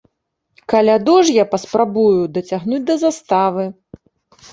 Каляду ж я паспрабую дацягнуць да заставы.